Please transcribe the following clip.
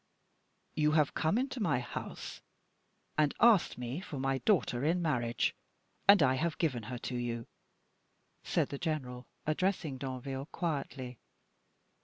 "You have come into my house, and asked me for my daughter in marriage and I have given her to you," said the general, addressing Danville, quietly.